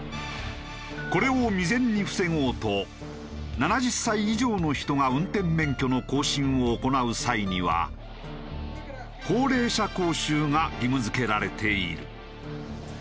これを未然に防ごうと７０歳以上の人が運転免許の更新を行う際には高齢者講習が義務付けられている。